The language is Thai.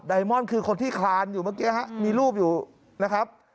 มอนดคือคนที่คลานอยู่เมื่อกี้ฮะมีรูปอยู่นะครับ